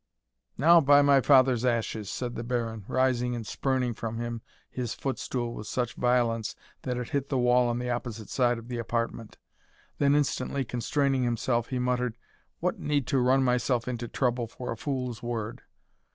"Now, by my father's ashes!" said the Baron, rising and spurning from him his footstool with such violence, that it hit the wall on the opposite side of the apartment then instantly constraining himself, he muttered, "What need to run myself into trouble for a fool's word?"